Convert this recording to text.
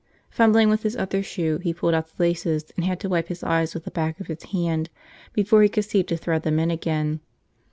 Fumbling with his other shoe, he pulled out the laces and had to wipe his eyes with the back of his hand before he could see to thread them in again.